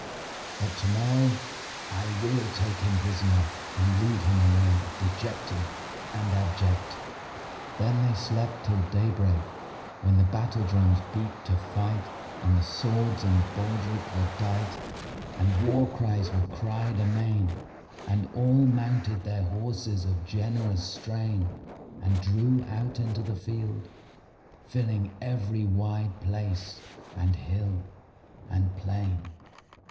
But to morrow I will take him prisoner and lead him away dejected and abject." Then they slept till daybreak, when the battle drums beat to fight and the swords in baldric were dight; and war cries were cried amain and all mounted their horses of generous strain and drew out into the field, filling every wide place and hill and plain.